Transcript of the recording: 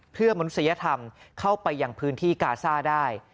เพื่อมนุษยธรรมเข้าไปยังพื้นที่กาซ่าได้